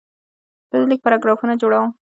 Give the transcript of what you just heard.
زه د لیک پاراګرافونه جوړوم.